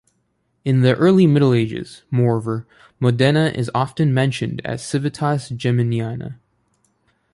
In the early Middle Ages, moreover, Modena is often mentioned as Civitas Geminiana.